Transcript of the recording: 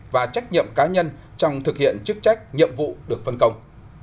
và trách nhiệm cá nhân trong thực hiện chức trách nhiệm vụ được phân công